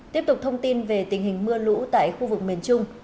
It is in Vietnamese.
tiếp tục thông tin về tình hình mưa lũ tại khu vực miền trung